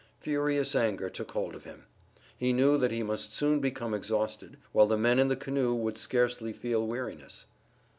Furious anger took hold of him. He knew that he must soon become exhausted, while the men in the canoe would scarcely feel weariness.